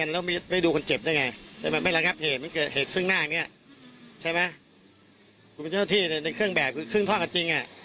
แล้วคุณจะได้ยินอะไรก่อนให้รู้ว่าเขาเป็นคนยิง